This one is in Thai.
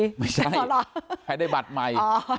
ไม่ใช่ให้ได้บัตรใหม่